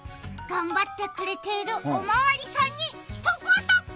頑張ってくれているおまわりさんにひと言。